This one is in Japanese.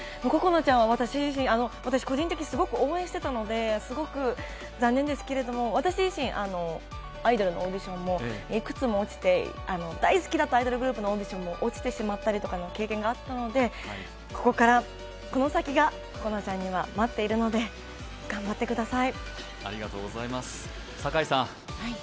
ここなちゃんは私、個人的にすごい応援してたので、すごく残念ですけれども、私自身、アイドルのオーディションもいくつも落ちて、大好きだったアイドルグループのオーディションも落ちてしまったりとかの経験もあったので、ここから、この先がここなちゃんには待っているので頑張ってください。